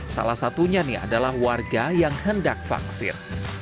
salah satunya nih adalah warga yang hendak vaksin